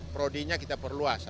prodenya kita perluas